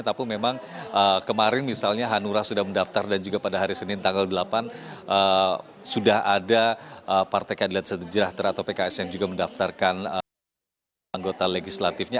tapi memang kemarin misalnya hanura sudah mendaftar dan juga pada hari senin tanggal delapan sudah ada partai keadilan sejahtera atau pks yang juga mendaftarkan anggota legislatifnya